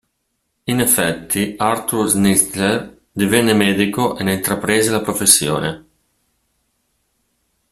In effetti Arthur Schnitzler divenne medico e ne intraprese la professione.